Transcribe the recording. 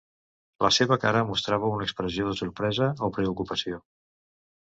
La seva cara mostrava una expressió de sorpresa o preocupació.